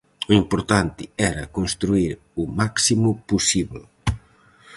O importante era construír o máximo posíbel.